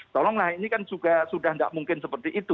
tolonglah ini kan juga sudah tidak mungkin seperti itu